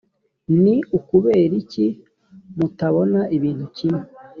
ni ukubera iki mutabona ibintu kimwe